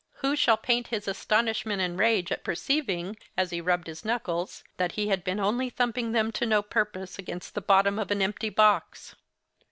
who shall paint his astonishment and rage at perceiving, as he rubbed his knuckles, that he had been only thumping them to no purpose, against the bottom of an empty box.